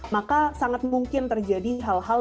maka sangat mungkin terjadi hal hal